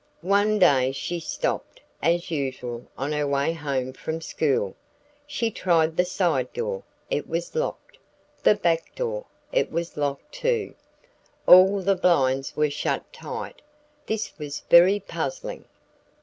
One day she stopped, as usual, on her way home from school. She tried the side door it was locked; the back door, it was locked too. All the blinds were shut tight. This was very puzzling.